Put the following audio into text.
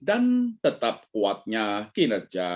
dan tetap kuatnya kinerja ekspor